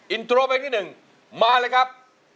อินโทรเพลงที่๑มาเลยครับ